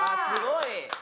すごい。